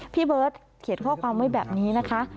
พี่เบิร์ตเขียนข้อความไว้แบบนี้นะคะ